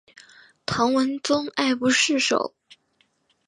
唐文宗爱不释手。